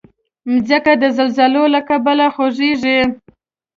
مځکه د زلزلو له کبله خوځېږي.